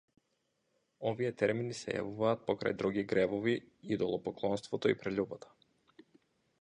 Овие термини се јавуваат покрај други гревови идолопоклонството и прељубата.